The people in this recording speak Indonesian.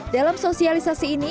dalam sosialisasi ini